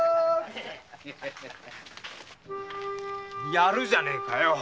やるじゃねぇか